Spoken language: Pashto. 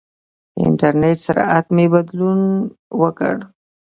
د انټرنېټ سرعت مې بدلون وکړ.